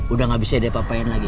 udah gak bisa diapa apain lagi